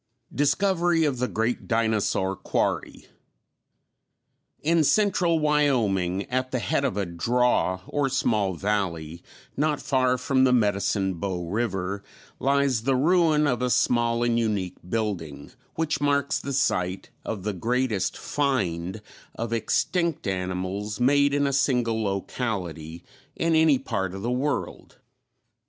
Discovery of the Great Dinosaur Quarry. In central Wyoming, at the head of a "draw," or small valley, not far from the Medicine Bow River, lies the ruin of a small and unique building, which marks the site of the greatest "find" of extinct animals made in a single locality in any part of the world.